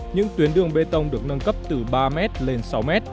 những tuyến đường bê tông được nâng cấp từ ba m lên sáu m